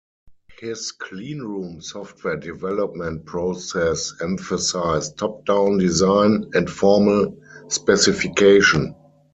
His Cleanroom software development process emphasized top-down design and formal specification.